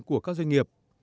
của các doanh nghiệp